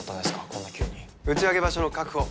こんな急に打ち上げ場所の確保